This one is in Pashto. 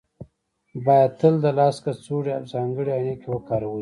باید تل د لاس کڅوړې او ځانګړې عینکې وکاروئ